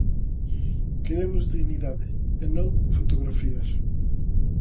Queremos dignidade e non fotografías.